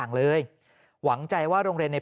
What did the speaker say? กรุงเทพฯมหานครทำไปแล้วนะครับ